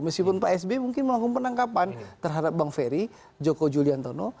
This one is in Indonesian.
meskipun pak sby mungkin melakukan penangkapan terhadap bang ferry joko juliantono